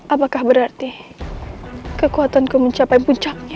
apakah berarti kekuatanku mencapai puncaknya